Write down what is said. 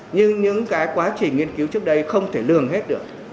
nhưng những cái quá trình nghiên cứu trước đây không thể lường hết được